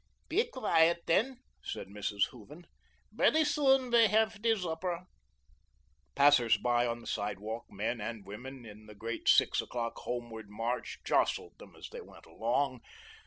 "Be qui ut, den," said Mrs. Hooven. "Bretty soon we'll hev der subber." Passers by on the sidewalk, men and women in the great six o'clock homeward march, jostled them as they went along.